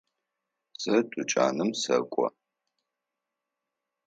Сэ тучаным сэкӏо.